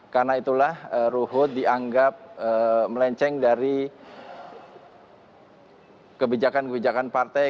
karena itulah ruhut dianggap melenceng dari kebijakan kebijakan partai